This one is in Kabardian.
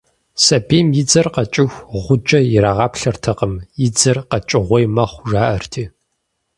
Сабийм и дзэр къэкӀыху гъуджэ ирагъаплъэртэкъым, и дзэр къэкӀыгъуей мэхъу, жаӀэрти.